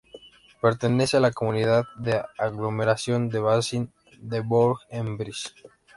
Pertenece a la comunidad de aglomeración del Bassin de Bourg-en-Bresse.